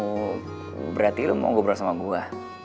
oh berarti lu mau ngobrol sama gue